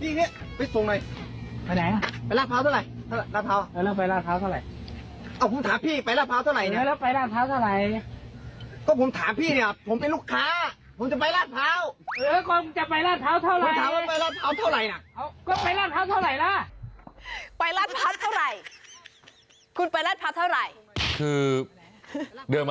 พี่ไปราชเผา